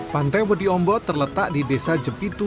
pantai bodi ombo terletak di desa jepitu